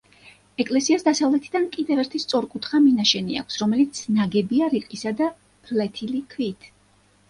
ეკლესიას დასავლეთიდან კიდევ ერთი სწორკუთხა მინაშენი აქვს, რომელიც ნაგებია რიყისა და ფლეთილი ქვით.